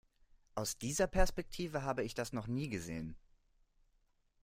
Aus dieser Perspektive habe ich das noch nie gesehen.